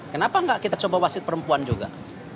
kenapa enggak kita coba wasit perempuan juga